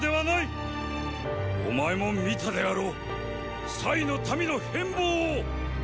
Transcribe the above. お前も見たであろうの民の変貌を！